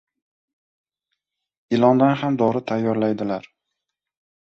• Ilondan ham dori tayyorlaydilar.